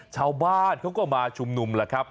ชาวบ้านเขาก็มาชุมนุมแล้วครับ